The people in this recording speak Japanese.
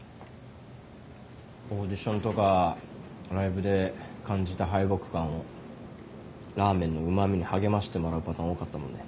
オーディションとかライブで感じた敗北感をラーメンのうま味に励ましてもらうパターン多かったもんね。